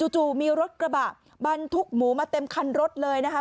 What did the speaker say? จู่มีรถกระบะบรรทุกหมูมาเต็มคันรถเลยนะคะ